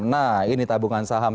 nah ini tabungan saham